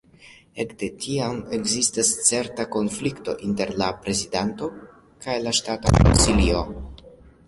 Ekde tiam ekzistas certa konflikto inter la prezidento kaj la Ŝtata Konsilio.